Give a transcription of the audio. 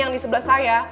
yang di sebelah saya